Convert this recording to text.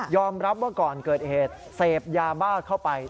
รับว่าก่อนเกิดเหตุเสพยาบ้าเข้าไป